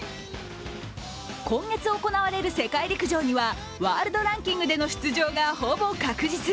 今月行われる世界陸上には、ワールドランキングでの出場がほぼ確実。